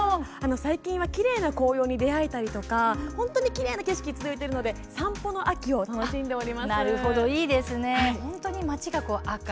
最近はきれいな紅葉に出会えたりきれいな景色が続いているので散歩の秋を楽しんでいます。